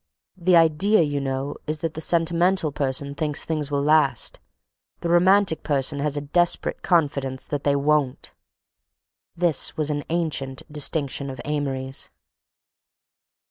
The idea, you know, is that the sentimental person thinks things will last—the romantic person has a desperate confidence that they won't." (This was an ancient distinction of Amory's.)